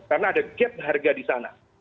karena ada gap harga di sana